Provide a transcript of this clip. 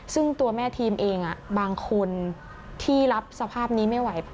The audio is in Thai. ซึ่งตัวแม่ทีมเองบางคนที่รับสภาพนี้ไม่ไหว